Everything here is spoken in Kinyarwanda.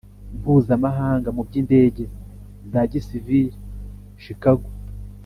mpuzamahanga mu by indege za gisivili Chicago